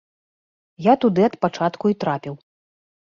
Я туды ад пачатку і трапіў.